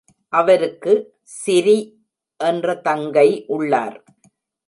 அவருக்கு சிரி என்ற தங்கை உள்ளார்.